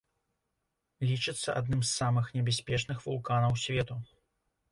Лічыцца адным з самых небяспечных вулканаў свету.